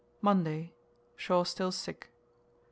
Monday. Shaw still sick.